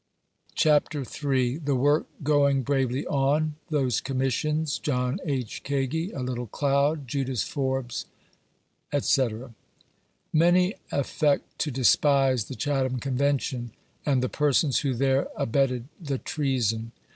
CHAPTER III. THE WORK GOING BRAVELY ON THOSE COMMISSIONS — JOHN H. KAGI — A LITTLE CLOtfD " JCDA8" FORBES ETC. Many affect to despise the Chatham Convention, and the persons who there abetted the "'treason."